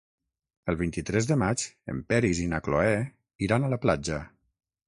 El vint-i-tres de maig en Peris i na Cloè iran a la platja.